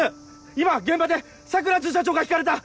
今現場で桜巡査長がひかれた！